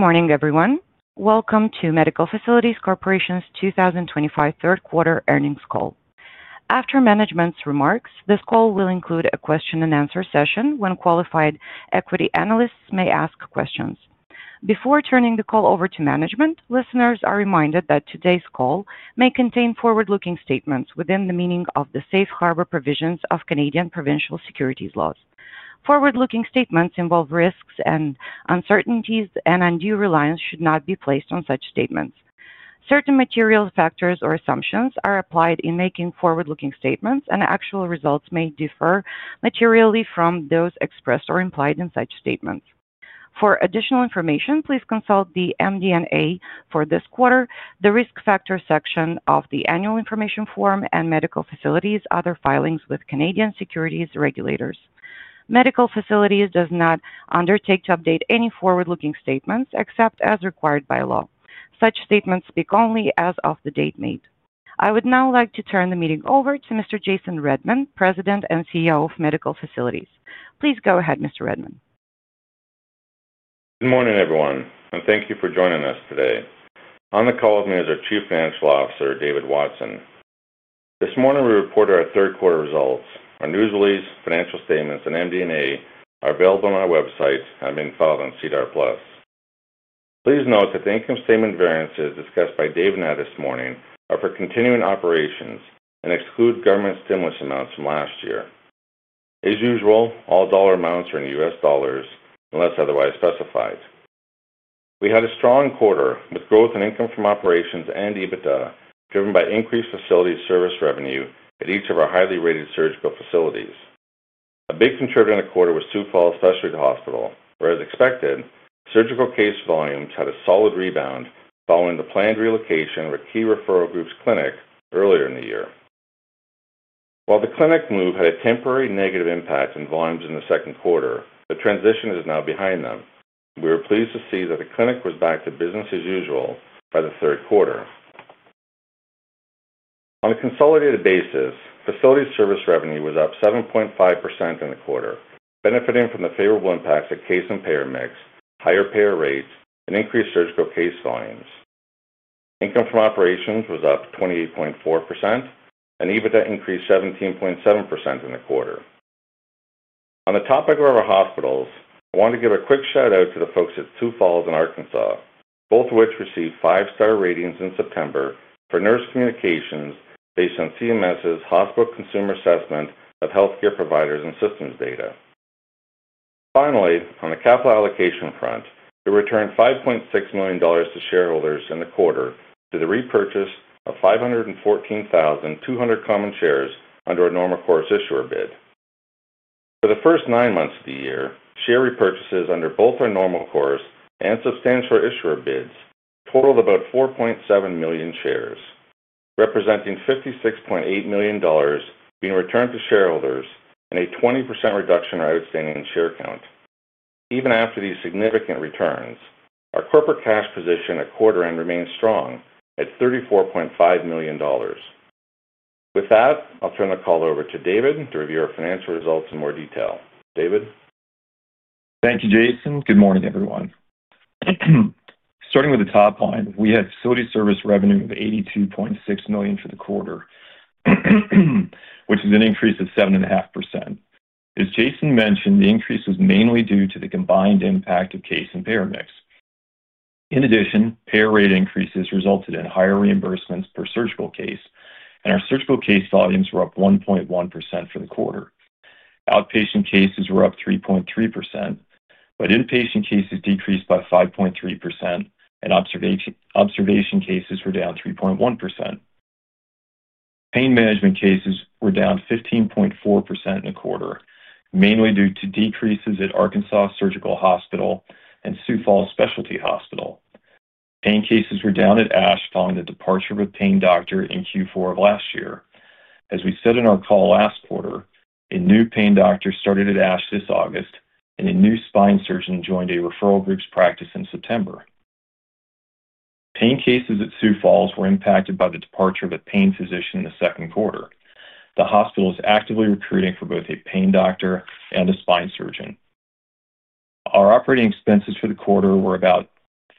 Good morning, everyone. Welcome to Medical Facilities Corporation's 2025 third-quarter earnings call. After management's remarks, this call will include a question-and-answer session when qualified equity analysts may ask questions. Before turning the call over to management, listeners are reminded that today's call may contain forward-looking statements within the meaning of the safe harbor provisions of Canadian provincial securities laws. Forward-looking statements involve risks and uncertainties, and undue reliance should not be placed on such statements. Certain material factors or assumptions are applied in making forward-looking statements, and actual results may differ materially from those expressed or implied in such statements. For additional information, please consult the MD&A for this quarter, the risk factor section of the annual information form, and Medical Facilities' other filings with Canadian securities regulators. Medical Facilities does not undertake to update any forward-looking statements except as required by law. Such statements speak only as of the date made. I would now like to turn the meeting over to Mr. Jason Redman, President and CEO of Medical Facilities. Please go ahead, Mr. Redman. Good morning, everyone, and thank you for joining us today. On the call with me is our Chief Financial Officer, David Watson. This morning, we reported our third-quarter results. Our news release, financial statements, and MD&A are available on our website and have been filed on SEDAR+. Please note that the income statement variances discussed by Dave and I this morning are for continuing operations and exclude government stimulus amounts from last year. As usual, all dollar amounts are in U.S. dollars unless otherwise specified. We had a strong quarter with growth in income from operations and EBITDA driven by increased facility service revenue at each of our highly rated surgical facilities. A big contributor in the quarter was Sioux Falls Specialty Hospital, where, as expected, surgical case volumes had a solid rebound following the planned relocation of a key referral group's clinic earlier in the year. While the clinic move had a temporary negative impact on volumes in the second quarter, the transition is now behind them. We were pleased to see that the clinic was back to business as usual by the third quarter. On a consolidated basis, facility service revenue was up 7.5% in the quarter, benefiting from the favorable impacts of case and payer mix, higher payer rates, and increased surgical case volumes. Income from operations was up 28.4%, and EBITDA increased 17.7% in the quarter. On the topic of our hospitals, I wanted to give a quick shout-out to the folks at Sioux Falls and Arkansas, both of which received five-star ratings in September for nurse communications based on CMS's Hospital Consumer Assessment of Healthcare Providers and Systems data. Finally, on the capital allocation front, we returned $5.6 million to shareholders in the quarter through the repurchase of 514,200 common shares under our normal course issuer bid. For the first nine months of the year, share repurchases under both our normal course and substantial issuer bids totaled about 4.7 million shares, representing $56.8 million being returned to shareholders and a 20% reduction in our outstanding share count. Even after these significant returns, our corporate cash position at quarter-end remained strong at $34.5 million. With that, I'll turn the call over to David to review our financial results in more detail. David. Thank you, Jason. Good morning, everyone. Starting with the top line, we had facility service revenue of $82.6 million for the quarter, which is an increase of 7.5%. As Jason mentioned, the increase was mainly due to the combined impact of case and payer mix. In addition, payer rate increases resulted in higher reimbursements per surgical case, and our surgical case volumes were up 1.1% for the quarter. Outpatient cases were up 3.3%, but inpatient cases decreased by 5.3%, and observation cases were down 3.1%. Pain management cases were down 15.4% in the quarter, mainly due to decreases at Arkansas Surgical Hospital and Sioux Falls Specialty Hospital. Pain cases were down at ASH following the departure of a pain doctor in Q4 of last year. As we said in our call last quarter, a new pain doctor started at ASH this August, and a new spine surgeon joined a referral group's practice in September. Pain cases at Sioux Falls were impacted by the departure of a pain physician in the second quarter. The hospital is actively recruiting for both a pain doctor and a spine surgeon. Our operating expenses for the quarter were about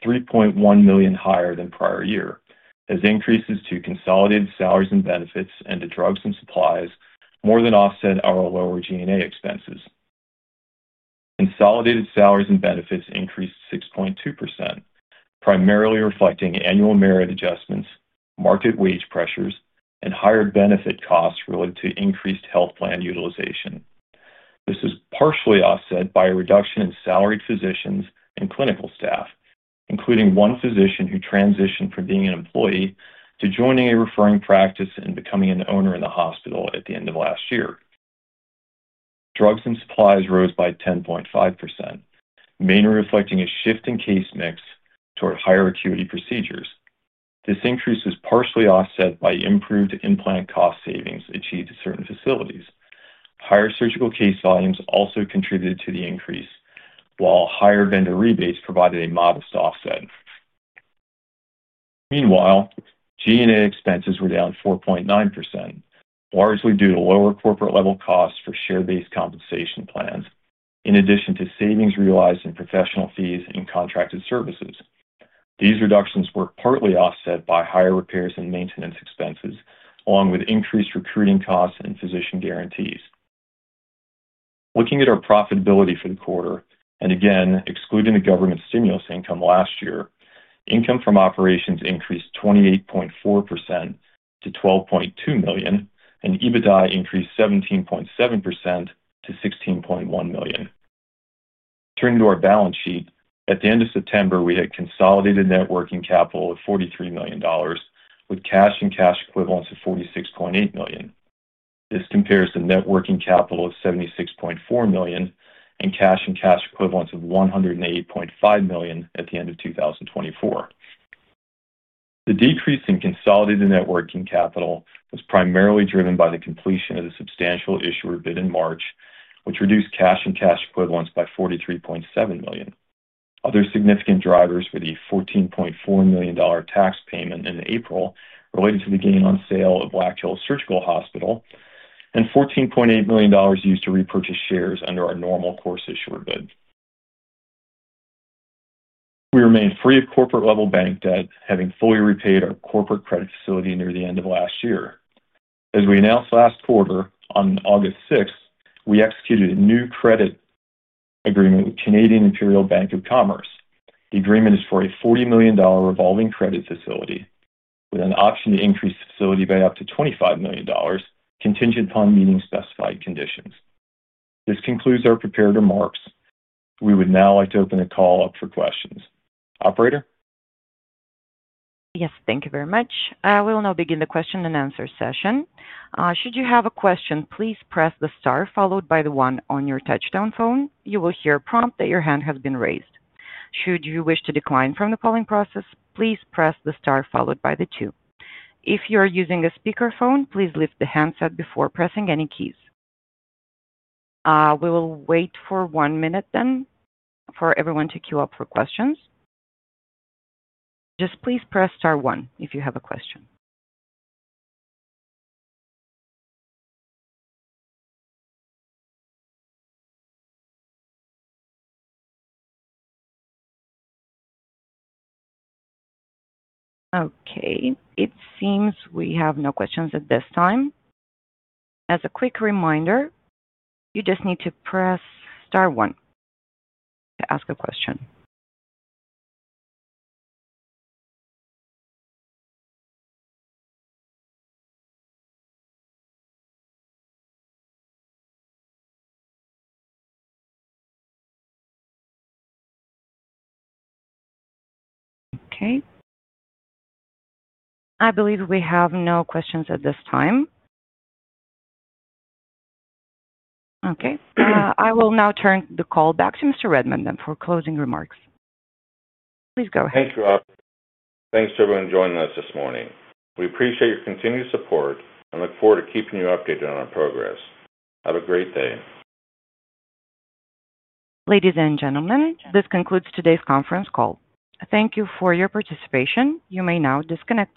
$3.1 million higher than prior year, as increases to consolidated salaries and benefits and to drugs and supplies more than offset our lower G&A expenses. Consolidated salaries and benefits increased 6.2%, primarily reflecting annual merit adjustments, market wage pressures, and higher benefit costs related to increased health plan utilization. This was partially offset by a reduction in salaried physicians and clinical staff, including one physician who transitioned from being an employee to joining a referring practice and becoming an owner in the hospital at the end of last year. Drugs and supplies rose by 10.5%, mainly reflecting a shift in case mix toward higher acuity procedures. This increase was partially offset by improved implant cost savings achieved at certain facilities. Higher surgical case volumes also contributed to the increase, while higher vendor rebates provided a modest offset. Meanwhile, G&A expenses were down 4.9%, largely due to lower corporate-level costs for share-based compensation plans, in addition to savings realized in professional fees and contracted services. These reductions were partly offset by higher repairs and maintenance expenses, along with increased recruiting costs and physician guarantees. Looking at our profitability for the quarter, and again, excluding the government stimulus income last year, income from operations increased 28.4% to $12.2 million, and EBITDA increased 17.7% to $16.1 million. Turning to our balance sheet, at the end of September, we had consolidated net working capital of $43 million, with cash and cash equivalents of $46.8 million. This compares to net working capital of $76.4 million and cash and cash equivalents of $108.5 million at the end of 2024. The decrease in consolidated net working capital was primarily driven by the completion of the substantial issuer bid in March, which reduced cash and cash equivalents by $43.7 million. Other significant drivers were the $14.4 million tax payment in April related to the gain on sale of Black Hills Surgical Hospital, and $14.8 million used to repurchase shares under our normal course issuer bid. We remained free of corporate-level bank debt, having fully repaid our corporate credit facility near the end of last year. As we announced last quarter, on August 6th, we executed a new credit agreement with Canadian Imperial Bank of Commerce. The agreement is for a $40 million revolving credit facility with an option to increase the facility by up to $25 million, contingent upon meeting specified conditions. This concludes our prepared remarks. We would now like to open the call up for questions. Operator? Yes, thank you very much. We will now begin the question and answer session. Should you have a question, please press the star followed by the one on your touch-tone phone. You will hear a prompt that your hand has been raised. Should you wish to decline from the following process, please press the star followed by the two. If you are using a speakerphone, please lift the handset before pressing any keys. We will wait for one minute then for everyone to queue up for questions. Just please press star one if you have a question. Okay. It seems we have no questions at this time. As a quick reminder, you just need to press star one to ask a question. Okay. I believe we have no questions at this time. Okay. I will now turn the call back to Mr. Redman then for closing remarks. Please go ahead. Thank you, Rob. Thanks to everyone joining us this morning. We appreciate your continued support and look forward to keeping you updated on our progress. Have a great day. Ladies and gentlemen, this concludes today's conference call. Thank you for your participation. You may now disconnect.